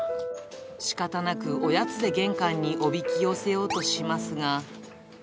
しかたなくおやつで玄関におびき寄せようとしますが。